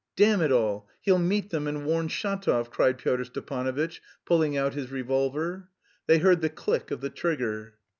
"Damn it all, he'll meet them and warn Shatov!" cried Pyotr Stepanovitch, pulling out his revolver. They heard the click of the trigger.